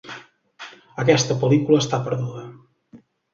Aquesta pel·lícula està perduda.